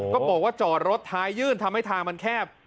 ก็บอกว่าจอดรถท้ายยื่นทำให้ทางมันแคบ